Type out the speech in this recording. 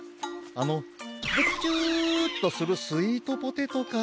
あのブッチュとするスイートポテトか。